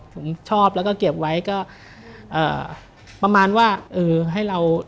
ผมชอบแล้วก็เก็บไว้ก็ประมาณว่า